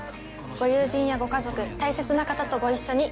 ご友人やご家族大切な方とご一緒に。